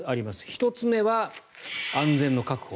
１つ目は安全の確保。